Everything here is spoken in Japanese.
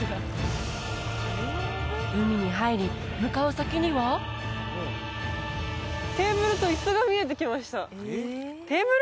海に入り向かう先にはテーブルと椅子が見えてきましたテーブル？